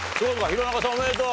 弘中さんおめでとう！